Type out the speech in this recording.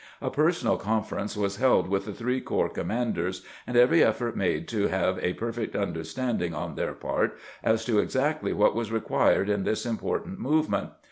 A personal confer ence was held with the three corps commanders, and every effort made to have a perfect understanding on their part as to exactly what was required in this im portant movement.